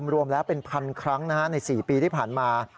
รวมแล้วเป็นพันครั้งใน๔ปีที่ผ่านมา